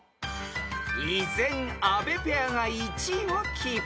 ［依然阿部ペアが１位をキープ］